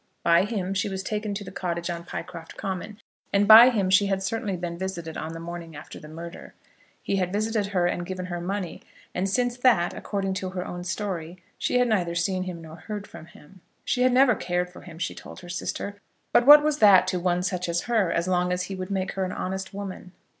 By him she was taken to the cottage on Pycroft Common, and by him she had certainly been visited on the morning after the murder. He had visited her and given her money; and since that, according to her own story, she had neither seen him nor heard from him. She had never cared for him, she told her sister; but what was that to one such as her as long as he would make her an honest woman?